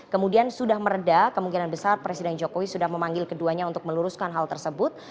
kemudian sudah meredah kemungkinan besar presiden jokowi sudah memanggil keduanya untuk meluruskan hal tersebut